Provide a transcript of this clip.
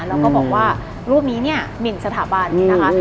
แล้วก็บอกว่ารูปนี้เนี่ยหมินสถาบันนะคะ